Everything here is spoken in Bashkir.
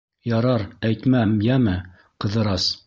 — Ярар, әйтмәм, йәме, Ҡыҙырас.